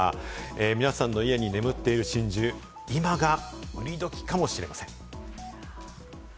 皆さんの家に眠っている真珠、今が売り時かもしれません。